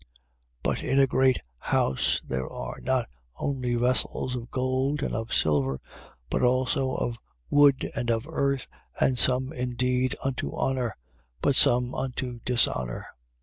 2:20. But in a great house there are not only vessels of gold and of silver, but also of wood and of earth: and some indeed unto honour, but some unto dishonour.